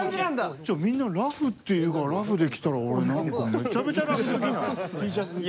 ちょっみんなラフっていうからラフで来たら俺なんかめちゃめちゃラフ過ぎない？